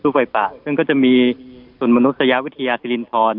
ไฟป่าซึ่งก็จะมีส่วนมนุษยาวิทยาสิรินทร